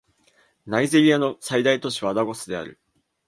ナイジェリアの最大都市はラゴスである